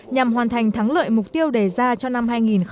nhằm hoàn thành thắng lợi mục tiêu đề ra cho năm hai nghìn một mươi chín